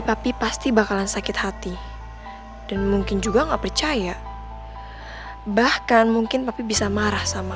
tapi pasti bakalan sakit hati dan mungkin juga nggak percaya bahkan mungkin tapi bisa marah sama